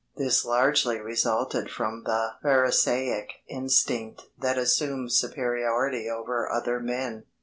This largely resulted from the Pharisaic instinct that assumes superiority over other men.